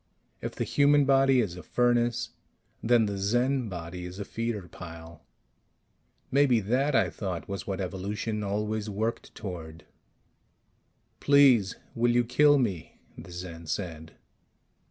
If the human body is a furnace, then the Zen body is a feeder pile. Maybe that, I thought, was what evolution always worked toward. "Please, will you kill me?" the Zen said.